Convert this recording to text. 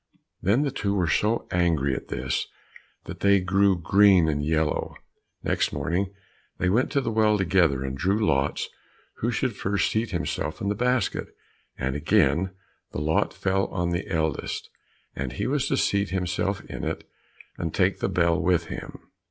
Then the two were so angry at this that they grew green and yellow. Next morning they went to the well together, and drew lots who should first seat himself in the basket, and again the lot fell on the eldest, and he was to seat himself in it, and take the bell with him.